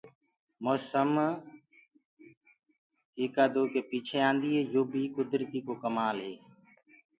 موسم ايڪآ دوڪي پ ميٚڇي آندآ هينٚ يو بي ڪُدرتي ڪو ڪمآل هي۔